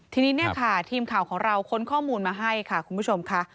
ทีนี้เนี่ยค่ะทีมข่าวของเราค้นข้อมูลมาให้ค่ะคุณผู้ชมค่ะ